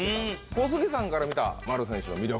小杉さんから見た丸選手の魅力？